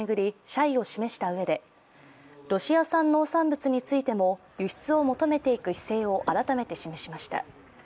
謝意を示したうえでロシア産農産物についても輸出を求めていく姿勢を改めて示しました。